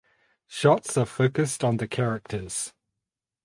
Shots are focused on the characters.